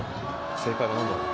正解はなんだろう？